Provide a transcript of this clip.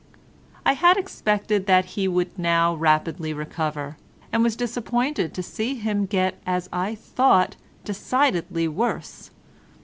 I had expected that he would now rapidly recover, and was disappointed to see him get as I thought decidedly worse.